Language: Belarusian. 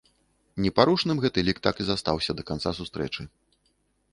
Непарушным гэты лік так і застаўся да канца сустрэчы.